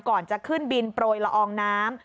ก่อนจะขึ้นบินโปรยละอองน้ำ